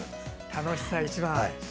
楽しさ一番。